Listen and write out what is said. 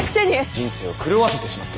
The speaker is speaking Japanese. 人生を狂わせてしまった。